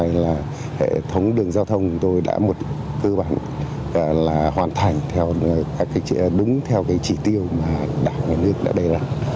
hiện nay là hệ thống đường giao thông của tôi đã một cơ bản là hoàn thành đúng theo cái chỉ tiêu mà đảng nước đã đề ra